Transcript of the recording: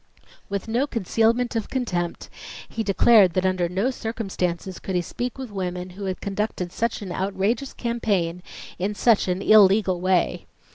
With no concealment of contempt, he declared that under no circumstances could he speak with women who had conducted such an outrageous campaign in such an "illegal" way.